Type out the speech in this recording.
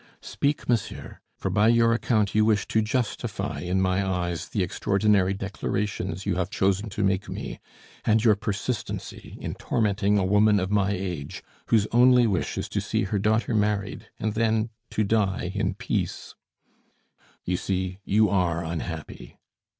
"Speak, monsieur; for by your account you wish to justify in my eyes the extraordinary declarations you have chosen to make me, and your persistency in tormenting a woman of my age, whose only wish is to see her daughter married, and then to die in peace " "You see; you are unhappy."